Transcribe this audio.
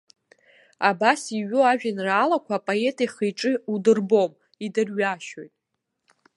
Абас иҩу ажәеинраалақәа апоет ихи-иҿы удырбом, идырҩашьоит.